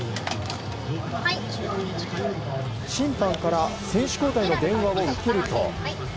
審判から選手交代の電話を受けると。